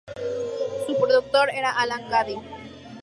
Su productor era Alan Caddy.